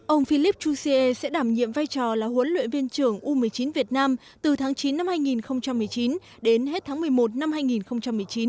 ông philippe jouzier sẽ đảm nhiệm vai trò là huấn luyện viên trưởng u một mươi chín việt nam từ tháng chín năm hai nghìn một mươi chín đến hết tháng một mươi một năm hai nghìn một mươi chín